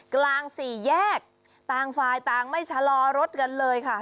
กลางสี่แยกต่างฝ่ายต่างไม่ชะลอรถกันเลยค่ะ